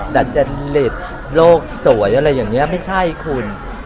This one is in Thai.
ดัจจริตโลกสวยอะไรอย่างนี้ไม่ใช่คุณ